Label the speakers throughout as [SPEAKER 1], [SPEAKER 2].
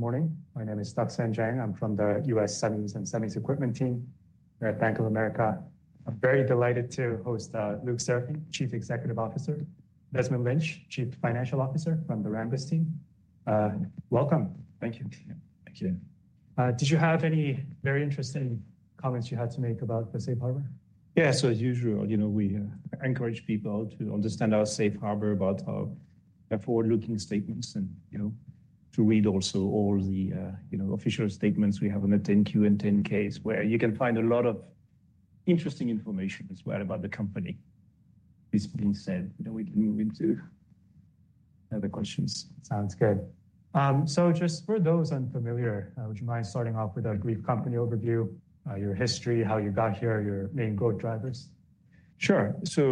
[SPEAKER 1] Good morning. My name is Duksan Jang. I'm from the U.S. Semis and Semis Equipment team here at Bank of America. I'm very delighted to host, Luc Seraphin, Chief Executive Officer, Desmond Lynch, Chief Financial Officer from the Rambus team. Welcome.
[SPEAKER 2] Thank you.
[SPEAKER 1] Thank you. Did you have any very interesting comments you had to make about the safe harbor?
[SPEAKER 2] Yeah. So as usual, you know, we encourage people to understand our safe harbor about our forward-looking statements and, you know, to read also all the, you know, official statements we have on the 10-Q and 10-Ks, where you can find a lot of interesting information as well about the company. This being said, then we can move into other questions.
[SPEAKER 1] Sounds good. So just for those unfamiliar, would you mind starting off with a brief company overview, your history, how you got here, your main growth drivers?
[SPEAKER 2] Sure. So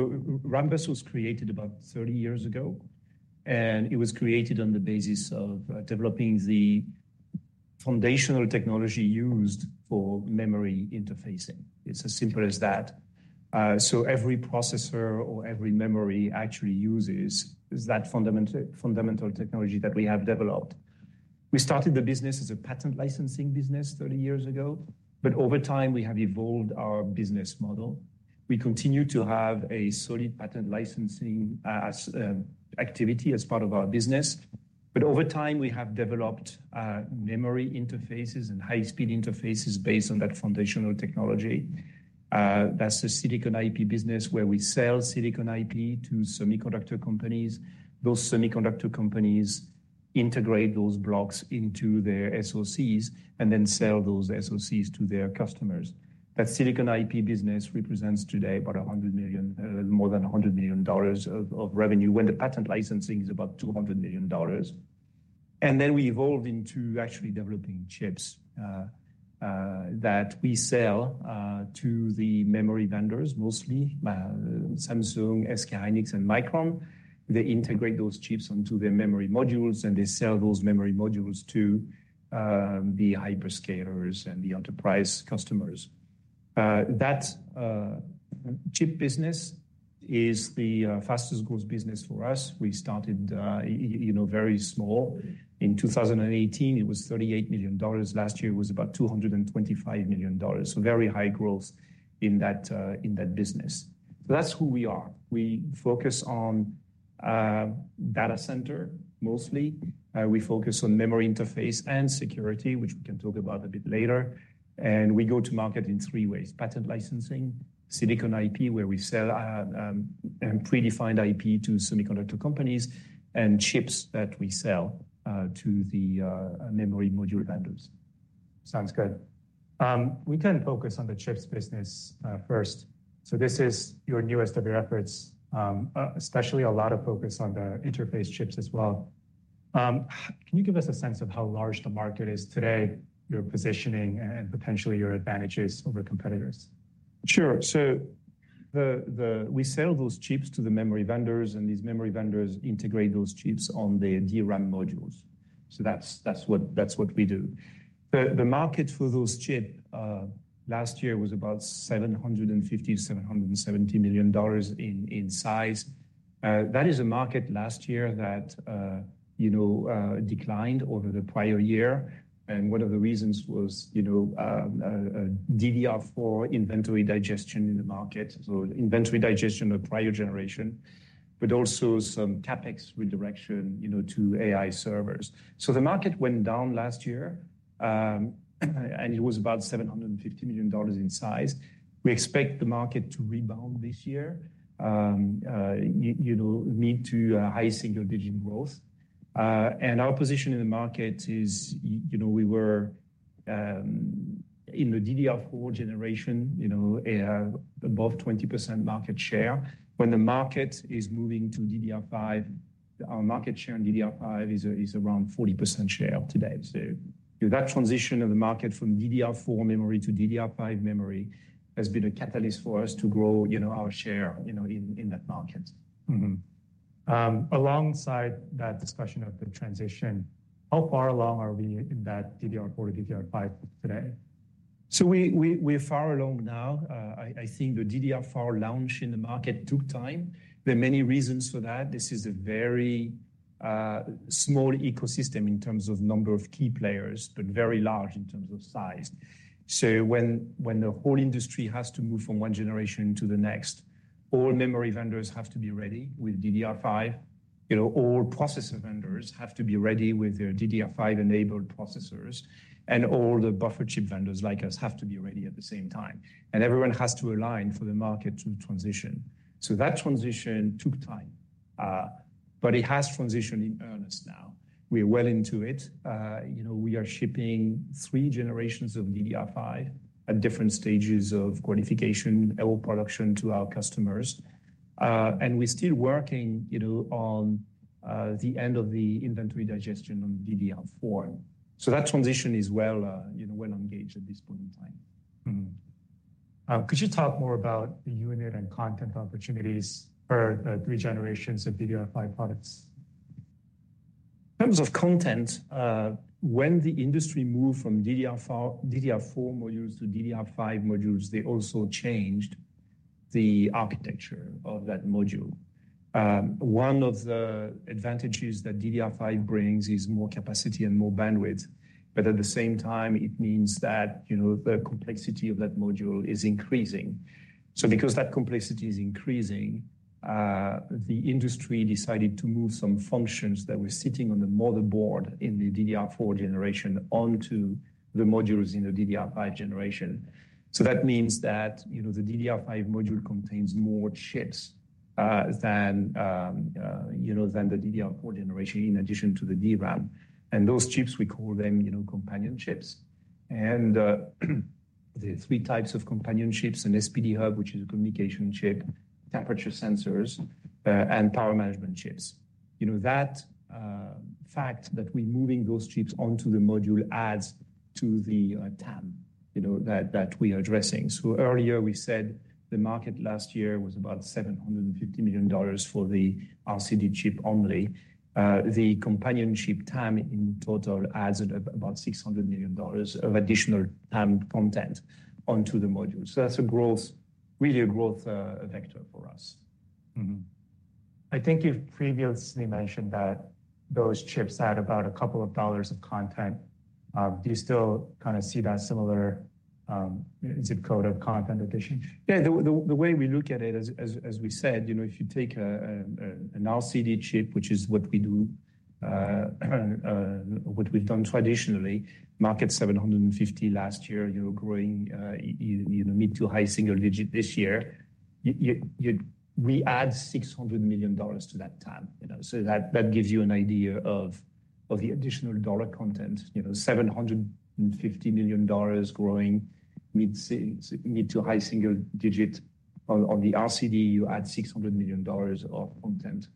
[SPEAKER 2] Rambus was created about 30 years ago, and it was created on the basis of developing the foundational technology used for memory interfacing. It's as simple as that. So every processor or every memory actually uses that fundamental technology that we have developed. We started the business as a patent licensing business 30 years ago, but over time, we have evolved our business model. We continue to have a solid patent licensing activity as part of our business, but over time, we have developed memory interfaces and high-speed interfaces based on that foundational technology. That's the silicon IP business, where we sell silicon IP to semiconductor companies. Those semiconductor companies integrate those blocks into their SoCs and then sell those SoCs to their customers. That silicon IP business represents today about $100 million, more than $100 million of revenue, when the patent licensing is about $200 million. Then we evolved into actually developing chips that we sell to the memory vendors, mostly, Samsung, SK hynix and Micron. They integrate those chips onto their memory modules, and they sell those memory modules to the hyperscalers and the enterprise customers. That chip business is the fastest growth business for us. We started, you know, very small. In 2018, it was $38 million. Last year, it was about $225 million. So very high growth in that business. So that's who we are. We focus on data center, mostly. We focus on memory interface and security, which we can talk about a bit later. We go to market in three ways: patent licensing, silicon IP, where we sell predefined IP to semiconductor companies, and chips that we sell to the memory module vendors.
[SPEAKER 1] Sounds good. We can focus on the chips business, first. So this is your newest of your efforts, especially a lot of focus on the interface chips as well. Can you give us a sense of how large the market is today, your positioning and potentially your advantages over competitors?
[SPEAKER 2] Sure. So we sell those chips to the memory vendors, and these memory vendors integrate those chips on their DRAM modules. So that's what we do. The market for those chips last year was about $750 million-$770 million in size. That is a market last year that you know declined over the prior year. And one of the reasons was you know a DDR4 inventory digestion in the market, so inventory digestion of prior generation, but also some CapEx redirection you know to AI servers. So the market went down last year and it was about $750 million in size. We expect the market to rebound this year you know mid- to high single-digit growth. And our position in the market is, you know, we were in the DDR4 generation, you know, above 20% market share. When the market is moving to DDR5, our market share in DDR5 is around 40% share today. So, that transition of the market from DDR4 memory to DDR5 memory has been a catalyst for us to grow, you know, our share, you know, in that market.
[SPEAKER 1] Mm-hmm. Alongside that discussion of the transition, how far along are we in that DDR4, DDR5 today?
[SPEAKER 2] So we're far along now. I think the DDR4 launch in the market took time. There are many reasons for that. This is a very small ecosystem in terms of number of key players, but very large in terms of size. So when the whole industry has to move from one generation to the next, all memory vendors have to be ready with DDR5. You know, all processor vendors have to be ready with their DDR5-enabled processors, and all the buffer chip vendors like us have to be ready at the same time, and everyone has to align for the market to transition. So that transition took time, but it has transitioned in earnest now. We are well into it. You know, we are shipping three generations of DDR5 at different stages of qualification or production to our customers. And we're still working, you know, on the end of the inventory digestion on DDR4. So that transition is well, you know, well engaged at this point in time.
[SPEAKER 1] Mm-hmm. Could you talk more about the unit and content opportunities for three generations of DDR5 products?
[SPEAKER 2] In terms of content, when the industry moved from DDR4, DDR4 modules to DDR5 modules, they also changed the architecture of that module. One of the advantages that DDR5 brings is more capacity and more bandwidth, but at the same time, it means that, you know, the complexity of that module is increasing. So because that complexity is increasing, the industry decided to move some functions that were sitting on the motherboard in the DDR4 generation onto the modules in the DDR5 generation. So that means that, you know, the DDR5 module contains more chips than, you know, than the DDR4 generation, in addition to the DRAM. And those chips, we call them, you know, companion chips. And there are three types of companion chips: an SPD hub, which is a communication chip, temperature sensors, and power management chips. You know, that fact that we're moving those chips onto the module adds to the TAM, you know, that we are addressing. So earlier, we said the market last year was about $750 million for the RCD chip only. The companion chip TAM in total adds about $600 million of additional TAM content onto the module. So that's a growth, really a growth, vector for us. Mm-hmm.
[SPEAKER 1] I think you've previously mentioned that those chips add about a couple of dollars of content. Do you still kinda see that similar, zip code of content addition?
[SPEAKER 2] Yeah. The way we look at it as we said, you know, if you take an RCD chip, which is what we do, what we've done traditionally, market $750 million last year, you know, growing mid- to high-single-digit this year, we add $600 million to that TAM, you know. So that gives you an idea of the additional dollar content. You know, $750 million growing mid- to high-single-digit. On the RCD, you add $600 million of content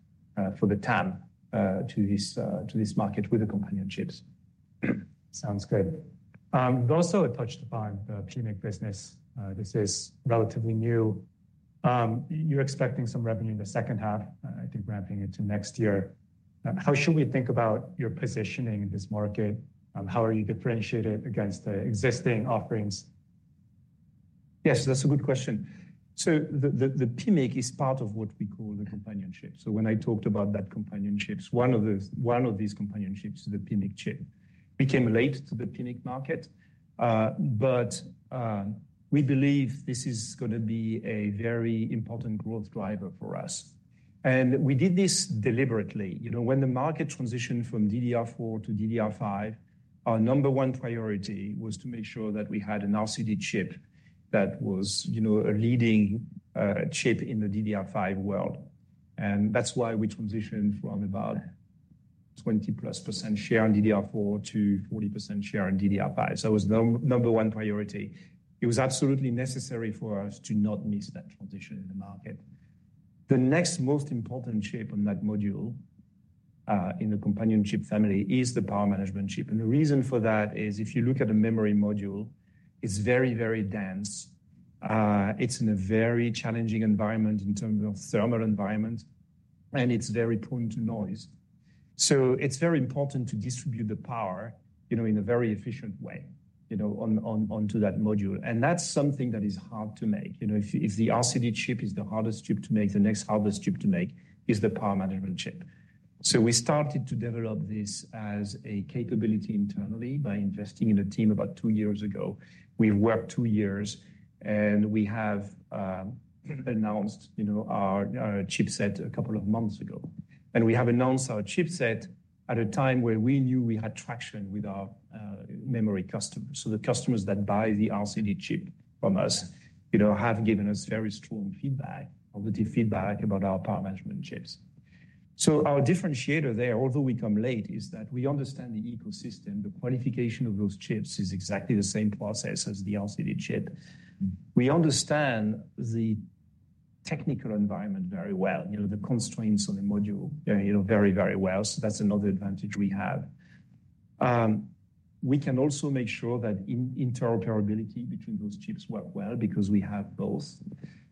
[SPEAKER 2] for the TAM to this market with the companion chips.
[SPEAKER 1] Sounds good. You also touched upon the PMIC business. This is relatively new. You're expecting some revenue in the second half, I think ramping into next year. How should we think about your positioning in this market? How are you differentiated against the existing offerings?
[SPEAKER 2] Yes, that's a good question. So the PMIC is part of what we call the companion chip. So when I talked about that companion chips, one of these companion chips is the PMIC chip. We came late to the PMIC market, but, we believe this is gonna be a very important growth driver for us. And we did this deliberately. You know, when the market transitioned from DDR4 to DDR5, our number one priority was to make sure that we had an RCD chip that was, you know, a leading, chip in the DDR5 world. And that's why we transitioned from about 20+% share in DDR4 to 40% share in DDR5. So it was number one priority. It was absolutely necessary for us to not miss that transition in the market. The next most important chip on that module in the companion chip family is the power management chip. And the reason for that is, if you look at a memory module, it's very, very dense. It's in a very challenging environment in terms of thermal environment, and it's very prone to noise. So it's very important to distribute the power, you know, in a very efficient way, you know, onto that module. And that's something that is hard to make. You know, if the RCD chip is the hardest chip to make, the next hardest chip to make is the power management chip. So we started to develop this as a capability internally by investing in a team about two years ago. We worked two years, and we have announced, you know, our chipset a couple of months ago. We have announced our chipset at a time where we knew we had traction with our memory customers. So the customers that buy the RCD chip from us, you know, have given us very strong feedback, positive feedback about our power management chips. So our differentiator there, although we come late, is that we understand the ecosystem. The qualification of those chips is exactly the same process as the RCD chip. We understand the technical environment very well, you know, the constraints on the module, you know, very, very well. So that's another advantage we have. We can also make sure that interoperability between those chips work well because we have both.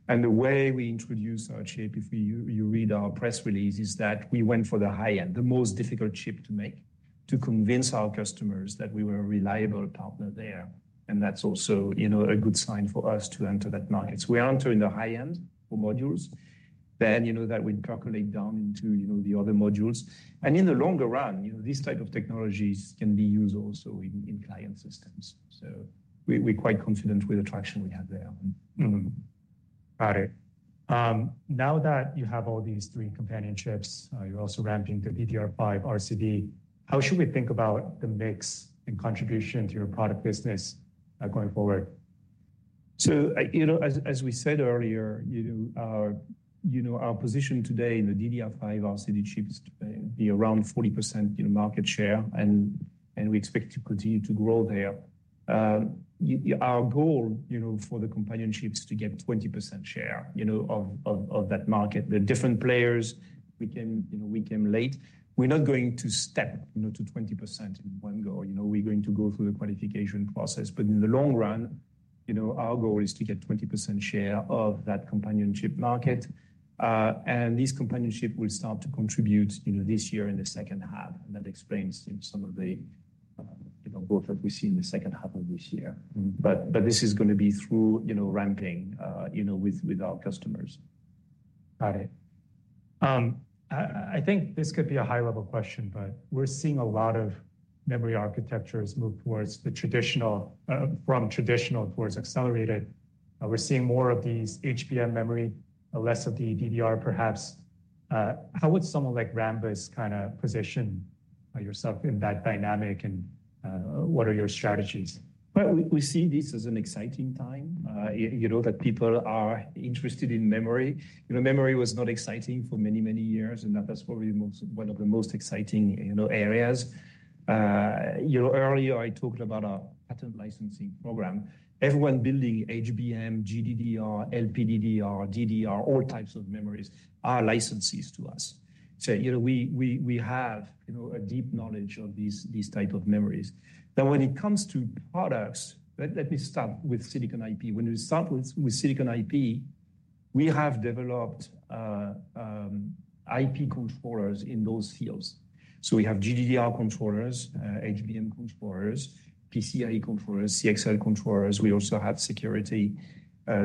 [SPEAKER 2] The way we introduce our chip, if you read our press release, is that we went for the high end, the most difficult chip to make, to convince our customers that we were a reliable partner there. That's also, you know, a good sign for us to enter that market. We enter in the high end for modules, then, you know, that would calculate down into, you know, the other modules. In the longer run, you know, these type of technologies can be used also in client systems. We're quite confident with the traction we have there. Mm-hmm.
[SPEAKER 1] Got it. Now that you have all these three companion chips, you're also ramping the DDR5 RCD, how should we think about the mix and contribution to your product business, going forward?
[SPEAKER 2] So, you know, as we said earlier, you know, our position today in the DDR5 RCD chip is to be around 40% market share, and we expect to continue to grow there. Our goal, you know, for the companion chip is to get 20% share, you know, of that market. There are different players. We came, you know, we came late. We're not going to step, you know, to 20% in one go. You know, we're going to go through the qualification process. But in the long run, you know, our goal is to get 20% share of that companion chip market. And this companion chip will start to contribute, you know, this year in the second half, and that explains some of the-... You know, growth that we see in the second half of this year. Mm-hmm. But this is gonna be through, you know, ramping, you know, with our customers.
[SPEAKER 1] Got it. I think this could be a high-level question, but we're seeing a lot of memory architectures move towards the traditional, from traditional towards accelerated. We're seeing more of these HBM memory, less of the DDR perhaps. How would someone like Rambus kinda position yourself in that dynamic, and what are your strategies?
[SPEAKER 2] Well, we see this as an exciting time, you know, that people are interested in memory. You know, memory was not exciting for many, many years, and that is probably one of the most exciting, you know, areas. You know, earlier I talked about our patent licensing program. Everyone building HBM, GDDR, LPDDR, DDR, all types of memories, are licensees to us. So, you know, we have a deep knowledge of these type of memories. Now, when it comes to products, let me start with silicon IP. When we start with silicon IP, we have developed IP controllers in those fields. So we have GDDR controllers, HBM controllers, PCIe controllers, CXL controllers. We also have security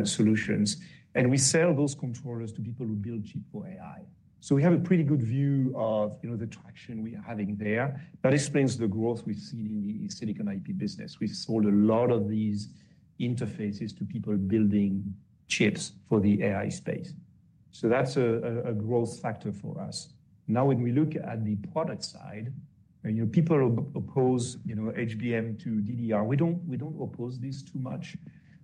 [SPEAKER 2] solutions, and we sell those controllers to people who build chips for AI. So we have a pretty good view of, you know, the traction we are having there. That explains the growth we've seen in the Silicon IP business. We've sold a lot of these interfaces to people building chips for the AI space, so that's a growth factor for us. Now, when we look at the product side, you know, people oppose, you know, HBM to DDR. We don't, we don't oppose this too much.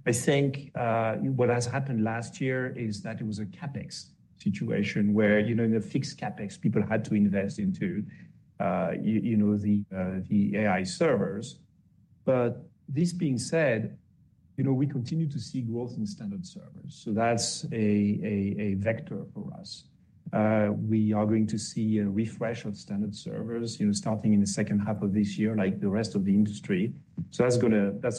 [SPEAKER 2] I think, what has happened last year is that it was a CapEx situation, where, you know, in a fixed CapEx, people had to invest into, you know, the, the AI servers. But this being said, you know, we continue to see growth in standard servers, so that's a vector for us. We are going to see a refresh of standard servers, you know, starting in the second half of this year, like the rest of the industry. So that's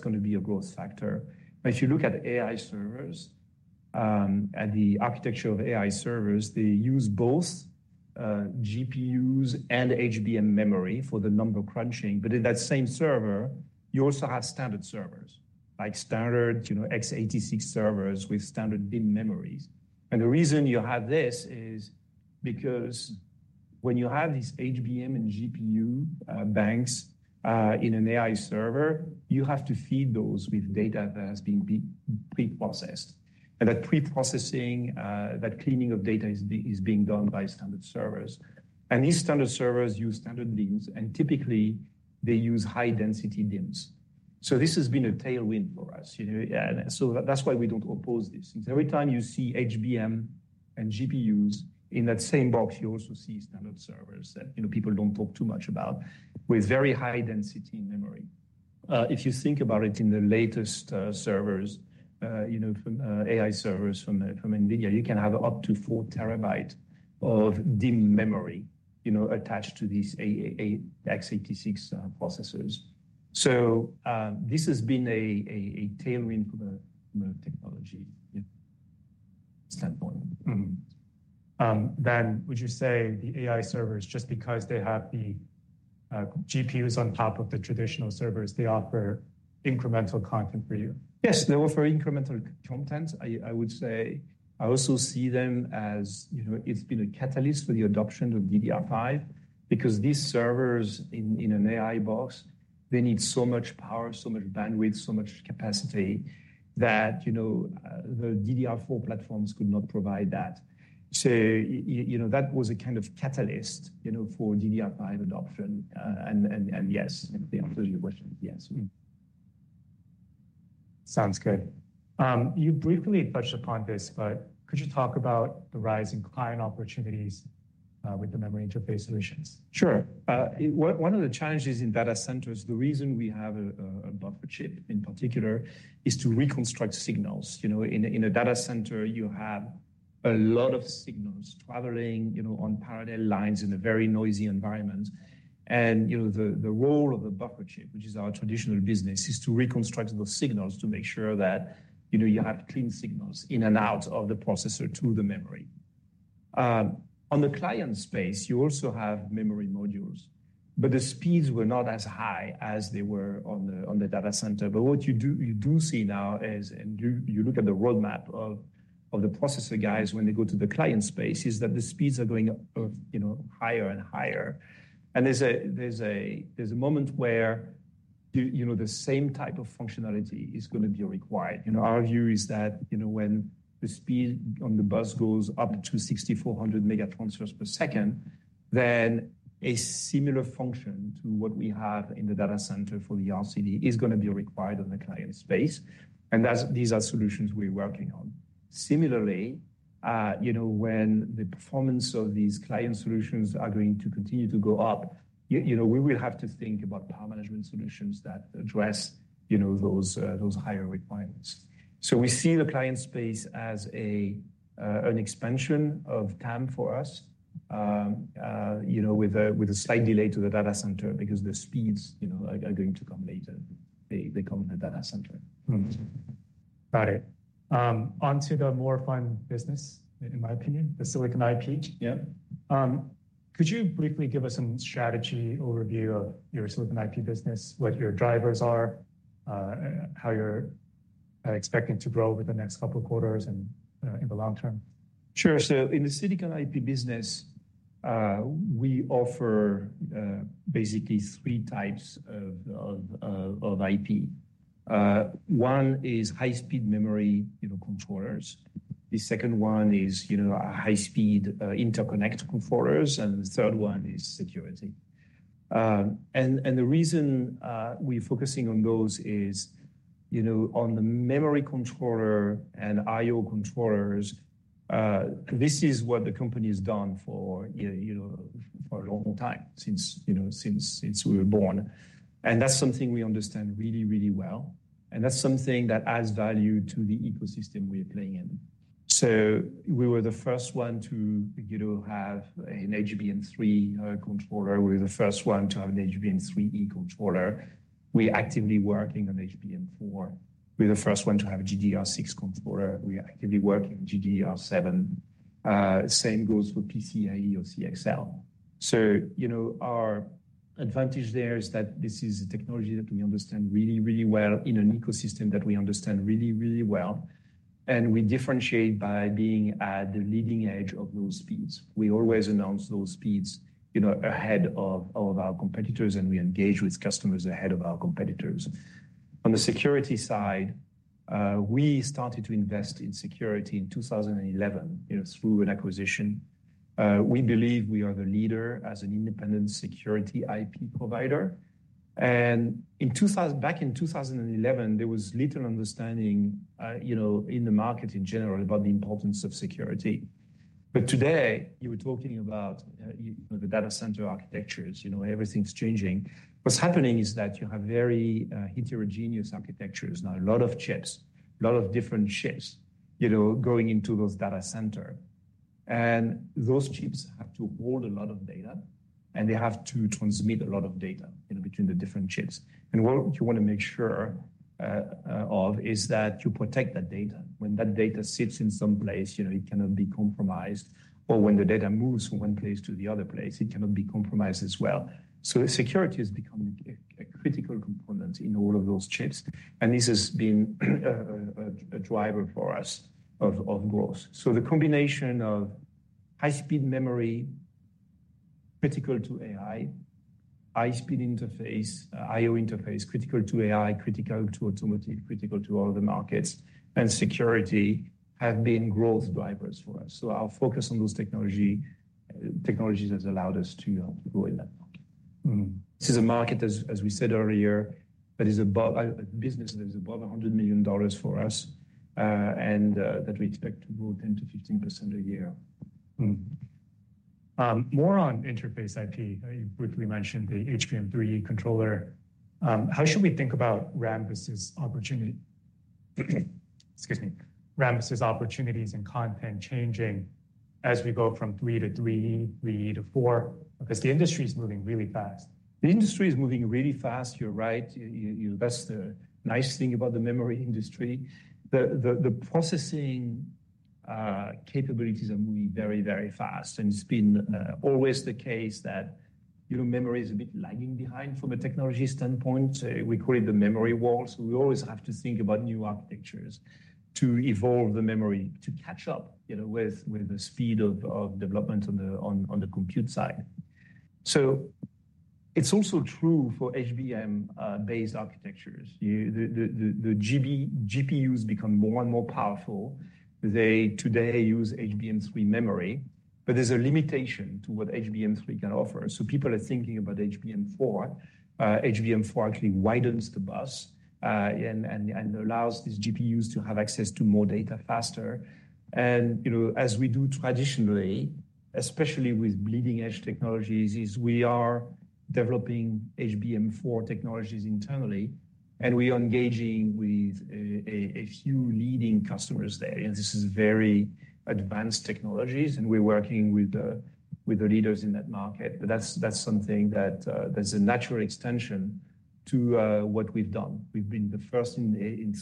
[SPEAKER 2] gonna be a growth factor. But if you look at AI servers and the architecture of AI servers, they use both GPUs and HBM memory for the number crunching. But in that same server, you also have standard servers, like standard, you know, x86 servers with standard DIMM memories. And the reason you have this is because when you have these HBM and GPU banks in an AI server, you have to feed those with data that has been pre-processed. And that pre-processing, that cleaning of data is being done by standard servers. And these standard servers use standard DIMMs, and typically, they use high-density DIMMs. So this has been a tailwind for us, you know? And so that's why we don't oppose this. Because every time you see HBM and GPUs in that same box, you also see standard servers that, you know, people don't talk too much about, with very high-density memory. If you think about it, in the latest servers, you know, from AI servers from NVIDIA, you can have up to 4 TB of DIMM memory, you know, attached to these x86 processors. So, this has been a tailwind for the technology standpoint. Mm-hmm.
[SPEAKER 1] Then would you say the AI servers, just because they have the GPUs on top of the traditional servers, they offer incremental content for you?
[SPEAKER 2] Yes, they offer incremental content. I, I would say I also see them as, you know, it's been a catalyst for the adoption of DDR5, because these servers in an AI box, they need so much power, so much bandwidth, so much capacity that, you know, the DDR4 platforms could not provide that. So you know, that was a kind of catalyst, you know, for DDR5 adoption. And yes, it answers your question. Yes. Mm-hmm.
[SPEAKER 1] Sounds good. You briefly touched upon this, but could you talk about the rise in client opportunities with the memory interface solutions?
[SPEAKER 2] Sure. One of the challenges in data centers, the reason we have a buffer chip in particular, is to reconstruct signals. You know, in a data center, you have a lot of signals traveling, you know, on parallel lines in a very noisy environment. And, you know, the role of the buffer chip, which is our traditional business, is to reconstruct those signals to make sure that, you know, you have clean signals in and out of the processor to the memory. On the client space, you also have memory modules, but the speeds were not as high as they were on the data center. But what you do see now is, and you look at the roadmap of the processor guys when they go to the client space, is that the speeds are going up, you know, higher and higher. And there's a moment where you know, the same type of functionality is gonna be required. You know, our view is that, you know, when the speed on the bus goes up to 6,400 mega transfers per second, then a similar function to what we have in the data center for the RCD is gonna be required on the client space, and that's—these are solutions we're working on. Similarly, you know, when the performance of these client solutions are going to continue to go up, you know, we will have to think about power management solutions that address, you know, those, those higher requirements. So we see the client space as a, an expansion of TAM for us, you know, with a, with a slight delay to the data center because the speeds, you know, are going to come later. They, they come in the data center.
[SPEAKER 1] Mm-hmm. Got it. Onto the more fun business, in my opinion, the Silicon IP.
[SPEAKER 2] Yeah.
[SPEAKER 1] Could you briefly give us some strategy overview of your silicon IP business, what your drivers are, how you're expecting to grow over the next couple of quarters and in the long term?
[SPEAKER 2] Sure. So in the silicon IP business, we offer basically three types of IP. One is high-speed memory, you know, controllers. The second one is, you know, a high-speed interconnect controllers, and the third one is security. And the reason we're focusing on those is, you know, on the memory controller and I/O controllers, this is what the company has done for, you know, for a long time, since, you know, since we were born. And that's something we understand really, really well, and that's something that adds value to the ecosystem we are playing in. So we were the first one to, you know, have an HBM3 controller. We were the first one to have an HBM3E controller. We're actively working on HBM4. We're the first one to have a GDDR6 controller. We are actively working on GDDR7. Same goes for PCIe or CXL. So, you know, our advantage there is that this is a technology that we understand really, really well in an ecosystem that we understand really, really well, and we differentiate by being at the leading edge of those speeds. We always announce those speeds, you know, ahead of our competitors, and we engage with customers ahead of our competitors. On the security side, we started to invest in security in 2011, you know, through an acquisition. We believe we are the leader as an independent security IP provider. Back in 2011, there was little understanding, you know, in the market in general about the importance of security. But today, you were talking about, you know, the data center architectures, you know, everything's changing. What's happening is that you have very, heterogeneous architectures now, a lot of chips, a lot of different chips, you know, going into those data center. And those chips have to hold a lot of data, and they have to transmit a lot of data, you know, between the different chips. And what you want to make sure of is that you protect that data. When that data sits in some place, you know, it cannot be compromised, or when the data moves from one place to the other place, it cannot be compromised as well. So security has become a critical component in all of those chips, and this has been a driver for us of growth. So the combination of high-speed memory, critical to AI, high-speed interface, I/O interface, critical to AI, critical to automotive, critical to all the markets, and security have been growth drivers for us. So our focus on those technology, technologies has allowed us to grow in that market.
[SPEAKER 1] Mm-hmm.
[SPEAKER 2] This is a market, as we said earlier, that is above a business that is above $100 million for us, and that we expect to grow 10%-15% a year.
[SPEAKER 1] Mm-hmm. More on interface IP. You briefly mentioned the HBM3E controller. How should we think about Rambus' opportunity? Excuse me. Rambus' opportunities and content changing as we go from three to 3E, 3E to four, because the industry is moving really fast.
[SPEAKER 2] The industry is moving really fast, you're right. You-- That's the nice thing about the memory industry. The processing capabilities are moving very, very fast, and it's been always the case that, you know, memory is a bit lagging behind from a technology standpoint. We call it the memory wall, so we always have to think about new architectures to evolve the memory, to catch up, you know, with the speed of development on the compute side. So it's also true for HBM based architectures. The GPUs become more and more powerful. They today use HBM3 memory, but there's a limitation to what HBM3 can offer, so people are thinking about HBM4. HBM4 actually widens the bus and allows these GPUs to have access to more data faster. You know, as we do traditionally, especially with bleeding-edge technologies, is we are developing HBM4 technologies internally, and we are engaging with a few leading customers there. This is very advanced technologies, and we're working with the leaders in that market. But that's something that's a natural extension to what we've done. We've been the first in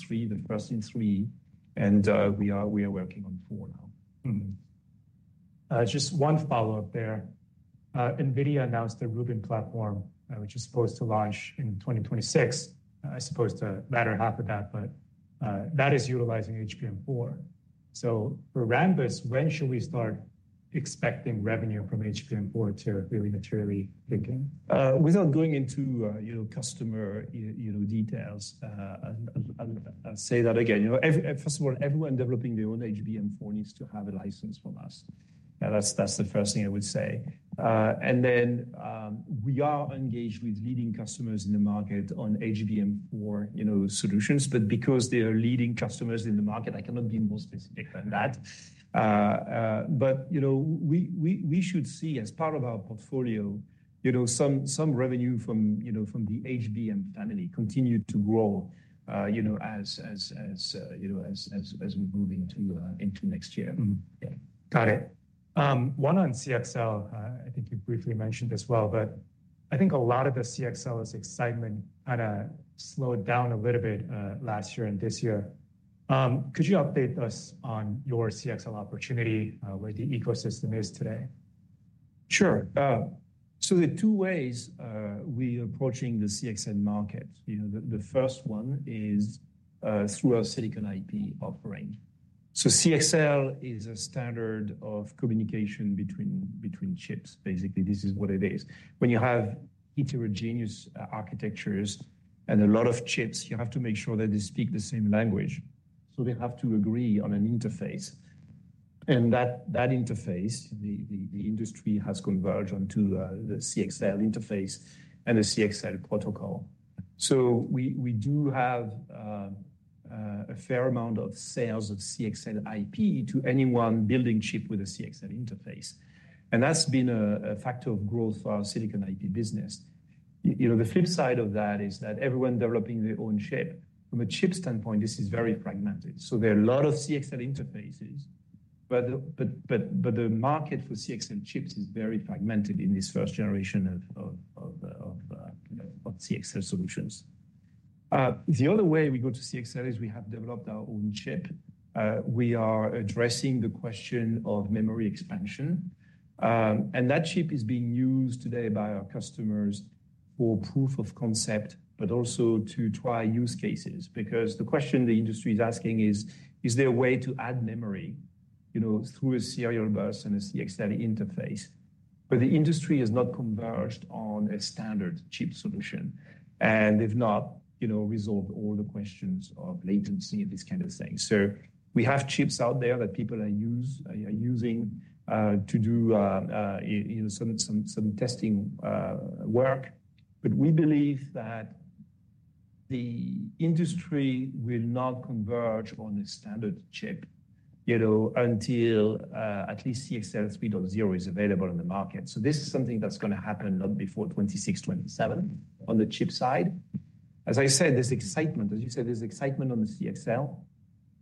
[SPEAKER 2] three, and we are working on four now.
[SPEAKER 1] Mm-hmm. Just one follow-up there. NVIDIA announced the Rubin platform, which is supposed to launch in 2026. I suppose the latter half of that, but that is utilizing HBM4. So for Rambus, when should we start expecting revenue from HBM4 to really materially kick in?
[SPEAKER 2] Without going into, you know, customer, you know, details, I'll say that again. You know, first of all, everyone developing their own HBM4 needs to have a license from us. That's the first thing I would say. And then, we are engaged with leading customers in the market on HBM4, you know, solutions, but because they are leading customers in the market, I cannot be more specific than that. But, you know, we should see, as part of our portfolio, you know, some revenue from, you know, from the HBM family continue to grow, you know, as we move into next year.
[SPEAKER 1] Mm-hmm.
[SPEAKER 2] Yeah.
[SPEAKER 1] Got it. One on CXL, I think you briefly mentioned as well, but I think a lot of the CXL's excitement kind of slowed down a little bit last year and this year. Could you update us on your CXL opportunity, where the ecosystem is today?
[SPEAKER 2] Sure. So there are two ways we are approaching the CXL market. You know, the first one is through our silicon IP offering. So CXL is a standard of communication between chips. Basically, this is what it is. When you have heterogeneous architectures and a lot of chips, you have to make sure that they speak the same language, so they have to agree on an interface. And that interface the industry has converged onto the CXL interface and the CXL protocol. So we do have a fair amount of sales of CXL IP to anyone building chip with a CXL interface, and that's been a factor of growth for our silicon IP business. You know, the flip side of that is that everyone developing their own chip. From a chip standpoint, this is very fragmented. So there are a lot of CXL interfaces, but the market for CXL chips is very fragmented in this first generation of CXL solutions. The other way we go to CXL is we have developed our own chip. We are addressing the question of memory expansion. And that chip is being used today by our customers for proof of concept, but also to try use cases, because the question the industry is asking is: Is there a way to add memory, you know, through a serial bus and a CXL interface? But the industry has not converged on a standard chip solution, and they've not, you know, resolved all the questions of latency and these kind of things. So we have chips out there that people are using to do you know some testing work. But we believe that the industry will not converge on a standard chip, you know, until at least CXL speed of zero is available on the market. So this is something that's gonna happen not before 2026, 2027 on the chip side. As I said, there's excitement, as you said, there's excitement on the CXL,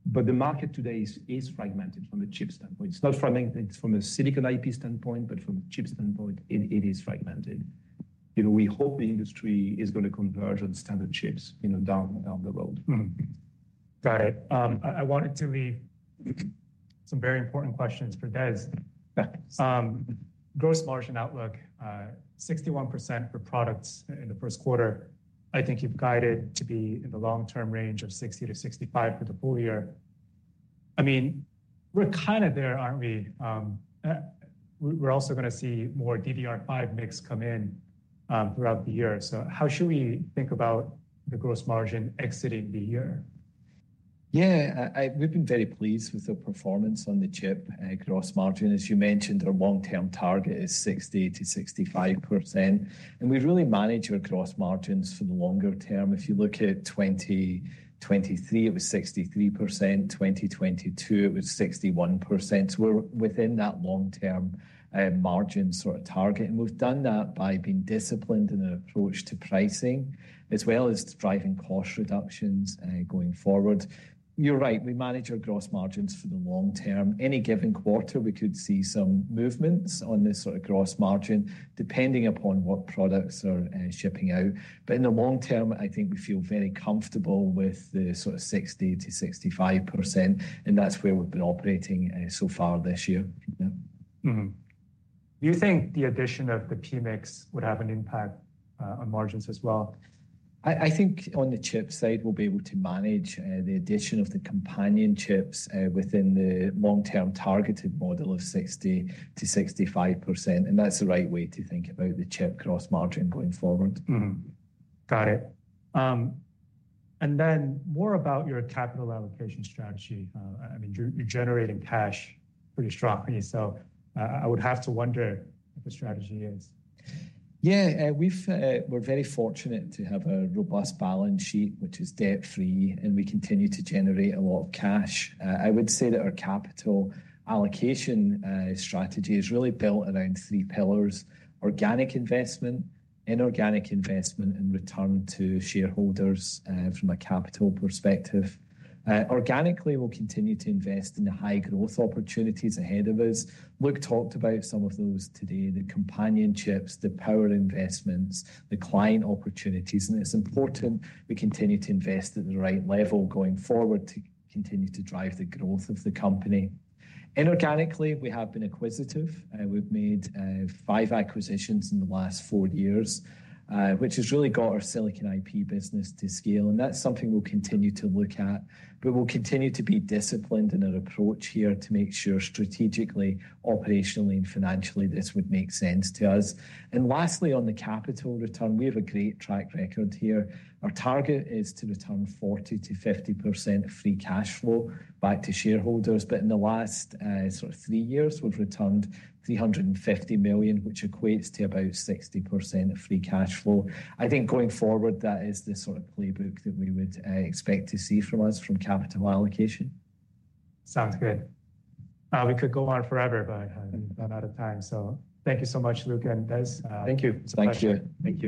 [SPEAKER 2] but the market today is fragmented from a chip standpoint. It's not from a silicon IP standpoint, but from a chip standpoint, it is fragmented. You know, we hope the industry is gonna converge on standard chips, you know, down the road.
[SPEAKER 1] Mm-hmm. Got it. I wanted to leave some very important questions for Des.
[SPEAKER 3] Yeah.
[SPEAKER 1] Gross margin outlook, 61% for products in the first quarter. I think you've guided to be in the long-term range of 60%-65% for the full year. I mean, we're kind of there, aren't we? We're also gonna see more DDR5 mix come in throughout the year. So how should we think about the gross margin exiting the year?
[SPEAKER 3] Yeah, we've been very pleased with the performance on the chip, gross margin. As you mentioned, our long-term target is 60%-65%, and we've really managed our gross margins for the longer term. If you look at 2023, it was 63%. 2022, it was 61%. So we're within that long-term margin sort of target, and we've done that by being disciplined in our approach to pricing, as well as driving cost reductions going forward. You're right, we manage our gross margins for the long term. Any given quarter, we could see some movements on this sort of gross margin, depending upon what products are shipping out. But in the long term, I think we feel very comfortable with the sort of 60%-65%, and that's where we've been operating so far this year. Yeah.
[SPEAKER 1] Mm-hmm. Do you think the addition of the PMIC would have an impact on margins as well?
[SPEAKER 3] I think on the chip side, we'll be able to manage the addition of the companion chips within the long-term targeted model of 60%-65%, and that's the right way to think about the chip gross margin going forward.
[SPEAKER 1] Mm-hmm. Got it. And then more about your capital allocation strategy. I mean, you're generating cash pretty strongly, so I would have to wonder what the strategy is.
[SPEAKER 3] Yeah, we've, we're very fortunate to have a robust balance sheet, which is debt-free, and we continue to generate a lot of cash. I would say that our capital allocation strategy is really built around three pillars: organic investment, inorganic investment, and return to shareholders, from a capital perspective. Organically, we'll continue to invest in the high growth opportunities ahead of us. Luc talked about some of those today, the companion chips, the power investments, the client opportunities, and it's important we continue to invest at the right level going forward to continue to drive the growth of the company. Inorganically, we have been acquisitive. We've made five acquisitions in the last four years, which has really got our silicon IP business to scale, and that's something we'll continue to look at. But we'll continue to be disciplined in our approach here to make sure strategically, operationally, and financially, this would make sense to us. And lastly, on the capital return, we have a great track record here. Our target is to return 40%-50% of free cash flow back to shareholders, but in the last sort of three years, we've returned $350 million, which equates to about 60% of free cash flow. I think going forward, that is the sort of playbook that we would expect to see from us from capital allocation.
[SPEAKER 1] Sounds good. We could go on forever, but we've run out of time. Thank you so much, Luc and Des.
[SPEAKER 3] Thank you.
[SPEAKER 2] Thank you.
[SPEAKER 1] Thank you.